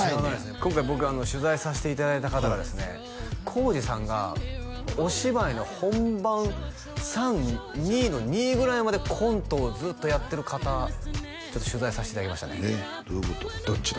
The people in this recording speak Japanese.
今回僕取材させていただいた方がですね耕史さんがお芝居の本番「３２」の２ぐらいまでコントをずっとやってる方ちょっと取材させていただきましたねどっちだ？